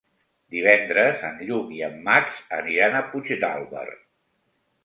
Divendres en Lluc i en Max aniran a Puigdàlber.